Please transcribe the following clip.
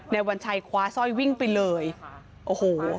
นายวัญชัยคว้าซอยวิ่งไปเลยออโห